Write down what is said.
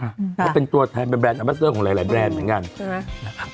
ค่ะแล้วเป็นตัวแทนเป็นแบรนด์ของหลายหลายแบรนด์เหมือนกันใช่ไหมฮะ